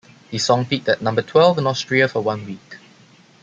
The song peaked at number twelve in Austria for one week.